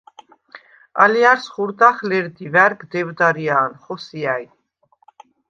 ალჲა̈რს ხურდახ ლერდი, ვა̈რგ დევდარია̄ნ, ხოსია̈ჲ.